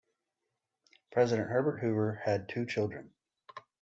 President Herbert Hoover had two children.